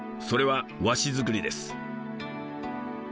それは和紙作りです。